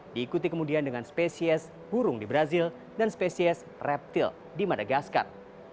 diikuti kemudian dengan spesies burung di brazil dan spesies reptil di madagaskar